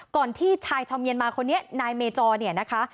ที่ชายชาวเมียนมาคนนี้นายเมจอเนี่ยนะคะ